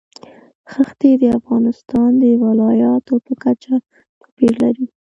ښتې د افغانستان د ولایاتو په کچه توپیر لري.